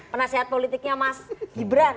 penasehat politiknya mas gibran